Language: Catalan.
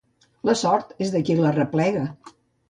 La sort és de qui l'arreplega.